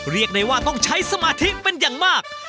เรียกได้ว่าต้องใช้สมาธิเป็นอย่างมาก